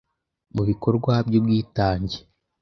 mu bikorwa by’ubwitange